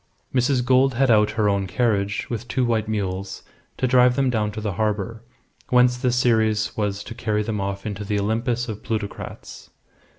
Mrs. Gould had out her own carriage, with two white mules, to drive them down to the harbour, whence the Ceres was to carry them off into the Olympus of plutocrats.